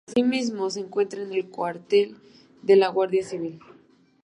Asimismo se encuentra el cuartel de la Guardia Civil.